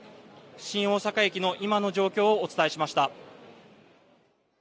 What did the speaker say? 新大阪駅の今の状況をお伝えしました。